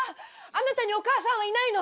あなたにお母さんはいないの。